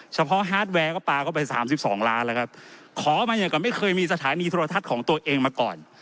เฉพาะฮาร์ดแวร์ก็ปากไว้ไป๓๒ล้านแล้วครับขอมาอย่างกว่าไม่เคยมีสถานีธุรัฐศักดิ์ของตัวเองมาก่อน